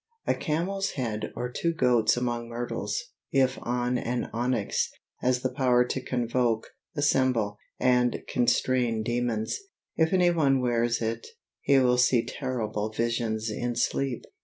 A camel's head or two goats among myrtles, if on an onyx, has the power to convoke, assemble, and constrain demons; if any one wears it, he will see terrible visions in sleep.